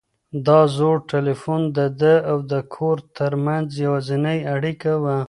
دا زوړ تلیفون د ده او د کور تر منځ یوازینۍ اړیکه وه.